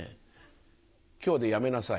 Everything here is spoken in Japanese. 今日でやめなさい